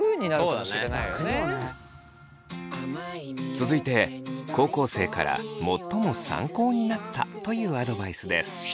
続いて高校生から最も参考になったというアドバイスです。